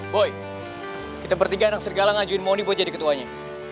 boy kita bertiga anak sergala ngajuin mony buat jadi ketuanya